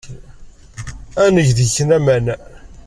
Ad neg deg-k laman.